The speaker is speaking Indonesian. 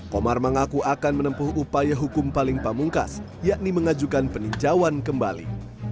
komar mengaku akan menempuh upaya hukum paling pamungkas yakni mengajukan peninjauan kembali